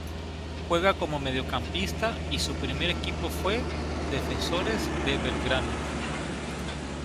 Juega como mediocampista y su primer equipo fue Defensores de Belgrano.